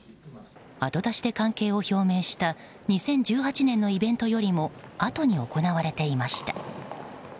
後出しで関係を表明した２０１８年のイベントよりもあとに行われていました。